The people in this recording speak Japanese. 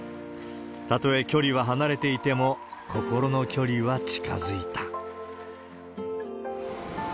たとえ距離は離れていても、心の距離は近づいた。